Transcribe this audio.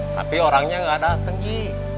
tapi orangnya gak dateng ji